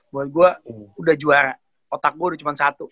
buat gue udah juara otak gue udah cuma satu